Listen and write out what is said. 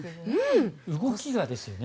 動きがですよね。